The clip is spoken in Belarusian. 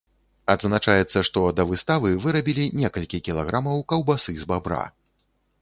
Адзначаецца, што да выставы вырабілі некалькі кілаграмаў каўбасы з бабра.